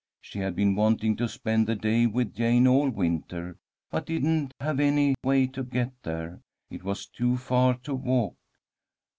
She had been wanting to spend the day with Jane all winter, but didn't have any way to get there. It was too far to walk.